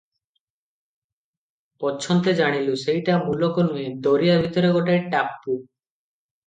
ପଛନ୍ତେ ଜାଣିଲୁ, ସେଇଟା ମୁଲକ ନୁହେଁ, ଦରିଆ ଭିତରେ ଗୋଟାଏ ଟାପୁ ।